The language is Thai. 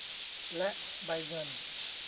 และใบเงิน